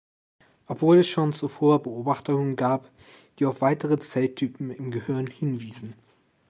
Obwohl es schon zuvor Beobachtungen gab, die auf weitere Zelltypen im Gehirn hinwiesen.